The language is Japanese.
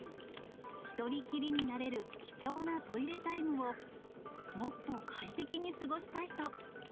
１人っきりになれる貴重なトイレタイムを、もっと快適に過ごしたいと。